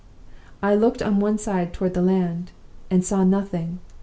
"I looked on one side toward the land, and saw nothing.